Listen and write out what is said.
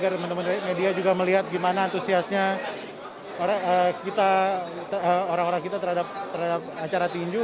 agar teman teman media juga melihat gimana antusiasnya orang orang kita terhadap acara tinju